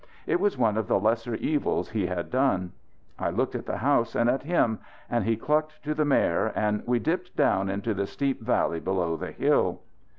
It was one of the lesser evils he had done. I looked at the house and at him, and he clucked to the mare and we dipped down into the steep valley below the hill.